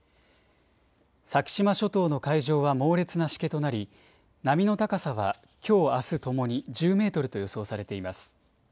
先島諸島の海上は猛烈なしけとなり波の高さはきょうあすともに１０メートルと予想されています。